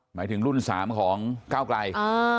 หมายถึงรุ่น๓ของก้าวไกล